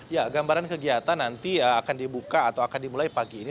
ya gambaran kegiatan nanti akan dibuka atau akan dimulai pagi ini